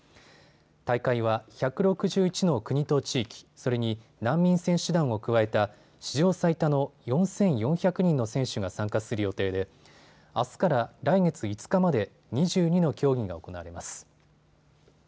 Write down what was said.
大会は１６１の国と地域、それに難民選手団を加えた史上最多の４４００人の選手が参加する予定であすから来月５日まで２２の競技が行われます。